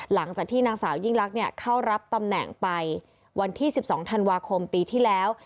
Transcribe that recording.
หลังจากที่นางสาวยิ่งลักษณ์เข้ารับตำแหน่งไปวันที่๑๒ธันวาคมปีที่แล้ว